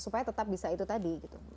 supaya tetap bisa itu tadi gitu